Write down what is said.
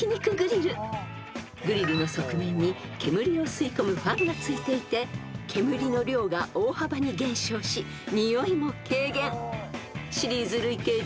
［グリルの側面に煙を吸い込むファンが付いていて煙の量が大幅に減少しにおいも軽減］